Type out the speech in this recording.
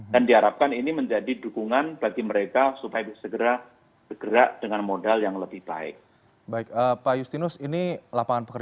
dan diharapkan ini menurut saya akan menjadi kekuatan yang sangat baik untuk masyarakat